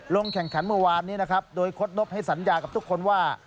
ลงแข่งขันเมื่อวานนี้นะครับโดยโค้ดนบให้สัญญากับทุกคนว่า